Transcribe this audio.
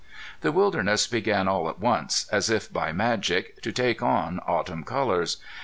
The wilderness began all at once, as if by magic, to take on autumn colors.